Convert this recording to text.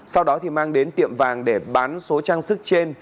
sau đó mang đến tiệm vàng để bán số trang sức trên